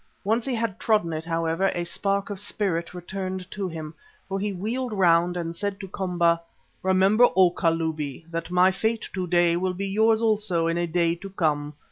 Once he had trodden it, however, a spark of spirit returned to him, for he wheeled round and said to Komba, "Remember, O Kalubi, that my fate to day will be yours also in a day to come.